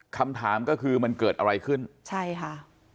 คำถามก็คือมันเกิดอะไรขึ้นใช่ค่ะ